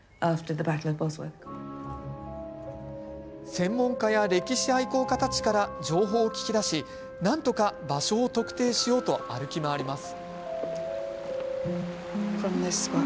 専門家や歴史愛好家たちから情報を聞き出しなんとか場所を特定しようと歩き回ります。